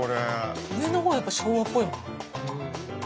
上の方はやっぱ昭和っぽいもん。